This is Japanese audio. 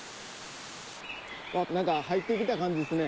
何か入って来た感じですね